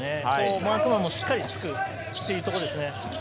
マークもしっかりつくということですね。